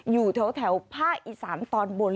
อยู่แถวภาคอีสานตอนบน